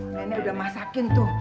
nenek udah masakin tuh